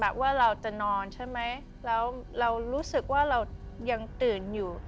ว่าเราจะนอนใช่ไหมแล้วเรารู้สึกว่าเรายังตื่นอยู่